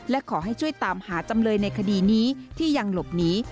และขอให้ช่วยตามหาจำเลยในคดีนี้ที่ยังหลบหนี